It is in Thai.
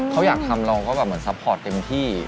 เขาอยากทำเราก็แบบเหมือนซัพพอร์ตเต็มที่